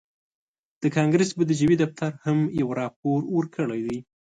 د کانګرس بودیجوي دفتر هم یو راپور ورکړی دی